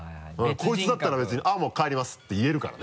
コイツだったら別に「あぁもう帰ります」って言えるからね。